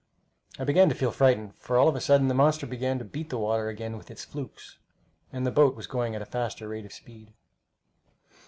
I began to feel frightened, for all of a sudden the monster began to beat the water again with its flukes, and the boat was going at a faster rate of speed.